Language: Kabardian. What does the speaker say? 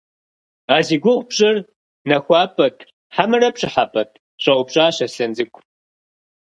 - А зи гугъу пщӏыр нэхуапӏэт хьэмэрэ пщӏыхьэпӏэт? – щӏэупщӏащ Аслъэн цӏыкӏу.